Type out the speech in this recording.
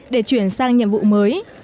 để chuyển sang nhiệm vụ mới